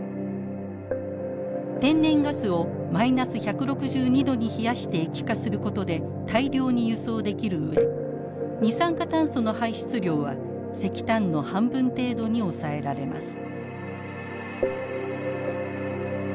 天然ガスをマイナス１６２度に冷やして液化することで大量に輸送できる上二酸化炭素の排出量は石炭の半分程度に抑えられます。